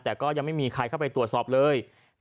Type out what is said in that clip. แต่ก็ยังไม่มีใครเข้าไปตรวจสอบเลย